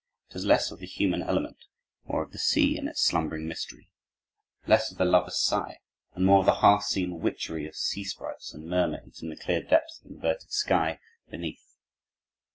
It has less of the human element, more of the sea and its slumbering mystery; less of the lover's sigh, and more of the half seen witchery of sea sprites and mermaids in the clear depths of inverted sky beneath.